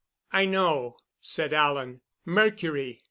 "I know," said Alan. "Mercury."